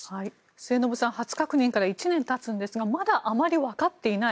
末延さん初確認から１年経つんですがまだあまりわかっていない。